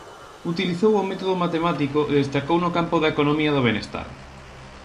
Utilizou o método matemático e destacou no campo da economía do benestar.